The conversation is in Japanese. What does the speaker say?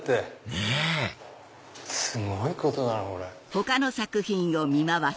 ねぇすごいことだなこれ。